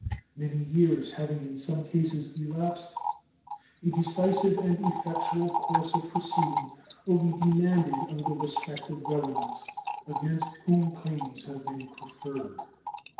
Many years having in some cases elapsed, a decisive and effectual course of proceeding will be demanded of the respective governments against whom claims have been preferred.